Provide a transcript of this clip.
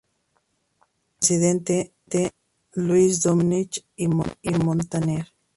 El Presidente: Lluis Domenech y Montaner.